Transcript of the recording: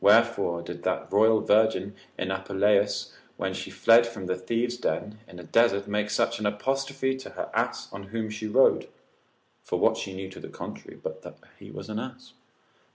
Wherefore did that royal virgin in Apuleius, when she fled from the thieves' den, in a desert, make such an apostrophe to her ass on whom she rode; (for what knew she to the contrary, but that he was an ass?)